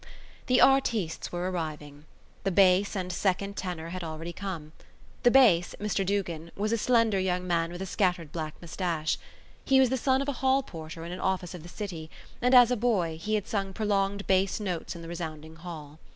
The artistes were arriving. The bass and the second tenor had already come. The bass, Mr Duggan, was a slender young man with a scattered black moustache. He was the son of a hall porter in an office in the city and, as a boy, he had sung prolonged bass notes in the resounding hall.